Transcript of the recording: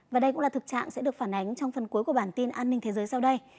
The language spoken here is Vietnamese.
và đây cũng là thực trạng sẽ được phản ánh trong phần cuối của bản tin an ninh thế giới sau đây